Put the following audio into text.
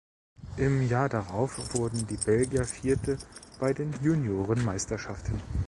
Im Jahr darauf wurden die Belgier Vierte bei den Junioreneuropameisterschaften.